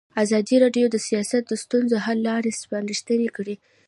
ازادي راډیو د سیاست د ستونزو حل لارې سپارښتنې کړي.